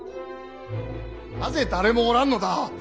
なぜ誰もおらんのだ。